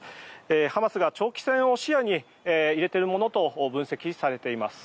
ハマスが長期戦を視野に入れているものと分析されています。